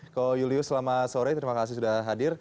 ko julius selamat sore terima kasih sudah hadir